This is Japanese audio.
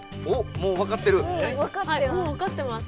もうわかってます